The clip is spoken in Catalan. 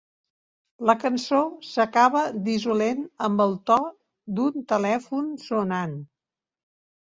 La cançó s'acaba dissolent amb el to d'un telèfon sonant.